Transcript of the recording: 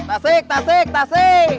tasik tasik tasik